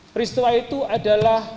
peristiwa itu adalah